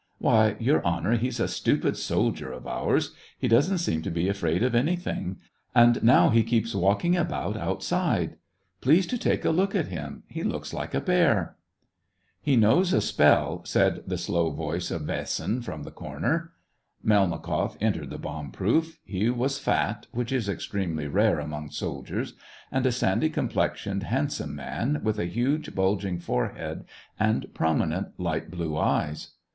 " Why, Your Honor, he's a stupid soldier of ours. He doesn't seem to be afraid of any thing, and now he keeps walking about outside. Please to take a look at him ; he looks like a bear." SEVASTOPOL IN" AUGUST. ' 23 1 " He knows a spell," said the slow voice of Vasin, from the corner. Melnikoff entered the bomb proof. He was fat (which is extremely rare among soldiers), and a sandy complexioned, handsome man, with a huge, bulging forehead and prominent, light blue eyes.